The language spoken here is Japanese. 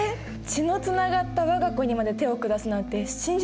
血のつながった我が子にまで手を下すなんて信じられないよね。